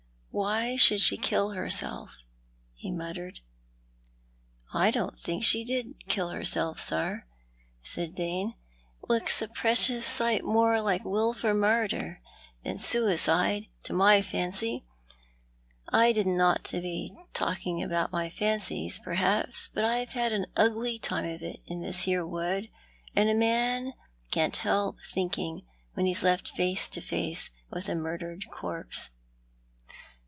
Why should she kill herself?" he muttered. "I don't believe she did kill herself, sir," said Dane; "it looks a precious sight more like wilful murder than sooicide, to my fancy. I didn't ought to be talking about my fancies, perhaps, but I've an ugly time of it in this here wood, and a man can't help thinking when he's left face to face with a murdered corpse."